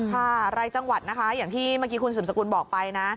รายจังหวัดนะคะอย่างที่เมื่อกี้คุณสืบสกุลบอกไปนะ